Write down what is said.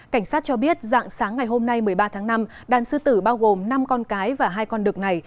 cảnh sát cho biết dạng sáng ngày hôm nay một mươi ba tháng năm đàn sư tử bao gồm năm con cái và hai con đực này